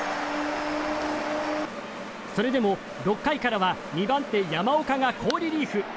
それでも６回からは２番手、山岡が好リリーフ。